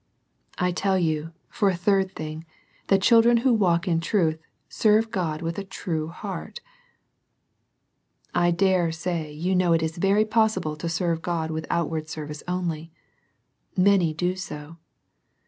I tell you, for a third thing, that children who walk in truth serve God with a true heart. I dare say you know it is very possible to serve God with outward service only. Many do so.